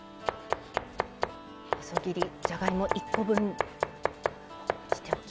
細切り、じゃがいも１個分。